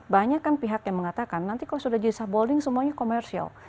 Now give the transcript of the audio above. banyak kan pihak yang mengatakan nanti kalau sudah jadi subholding semuanya komersial